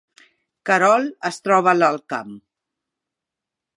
Querol es troba a l’Alt Camp